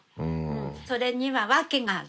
それには訳がある。